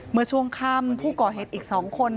เมื่อช่วงค่ำผู้ก่อเหตุอีก๒คน